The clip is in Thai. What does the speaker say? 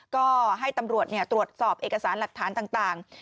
ก็ให้ตำรวจตรวจสอบเอกสารหลักฐานต่าง